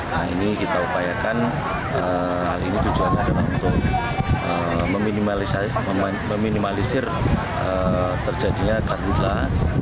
nah ini kita upayakan hal ini tujuan agama untuk meminimalisir terjadinya kargut lahan